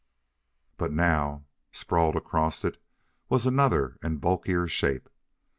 But now, sprawled across it, was another and bulkier shape.